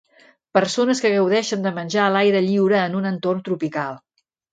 Persones que gaudeixen de menjar a l'aire lliure en un entorn tropical